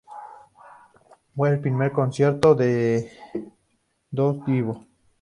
Fue el primer concierto de Il Divo.